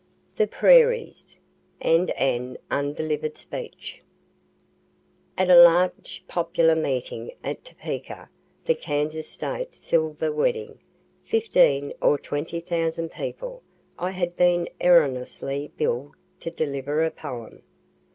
THE PRAIRIES (and an Undeliver'd Speech) At a large popular meeting at Topeka the Kansas State Silver Wedding, fifteen or twenty thousand people I had been erroneously bill'd to deliver a poem.